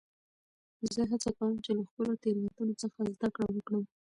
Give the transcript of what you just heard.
زه هڅه کوم، چي له خپلو تیروتنو څخه زدکړم وکړم.